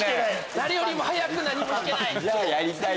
誰よりも早く何も弾けない。